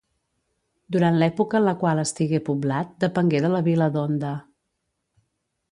Durant l'època en la qual estigué poblat, depengué de la vila d'Onda.